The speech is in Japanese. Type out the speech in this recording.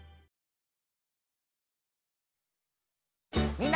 みんな。